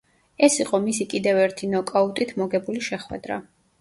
ეს იყო მისი კიდევ ერთი ნოკაუტით მოგებული შეხვედრა.